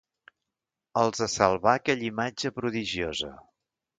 Els salvà aquella imatge prodigiosa.